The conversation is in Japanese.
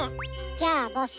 じゃあボス。